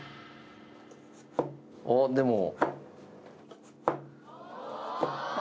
あっでも。